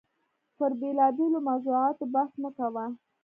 پر بېلابېلو موضوعاتو بحث مو کاوه.